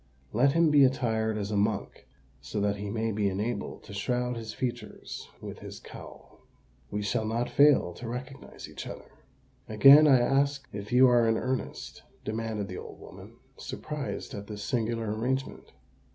Let him be attired as a monk, so that he may be enabled to shroud his features with his cowl. We shall not fail to recognise each other." "Again I ask if you are in earnest?" demanded the old woman, surprised at this singular arrangement.